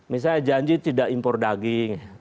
misalnya janji tidak impor daging